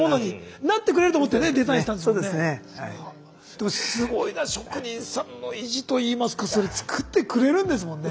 でもすごいな職人さんの意地といいますかそれ作ってくれるんですもんね。